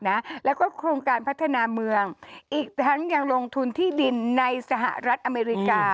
แล้วก็โครงการพัฒนาเมืองอีกทั้งยังลงทุนที่ดินในสหรัฐอเมริกา